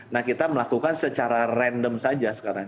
nah kita melakukan secara random saja sekarang